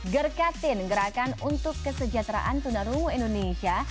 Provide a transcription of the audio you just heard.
gerkatin gerakan untuk kesejahteraan tunarungu indonesia